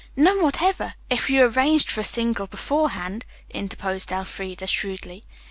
"None whatever, if you arranged for a single beforehand," interposed Elfreda shrewdly.